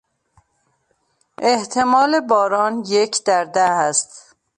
احتمال باران یک در ده است.